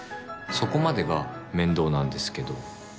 そこまでが面倒なんですけど。